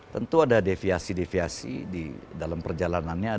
tentu ada deviasi deviasi di dalam perjalanannya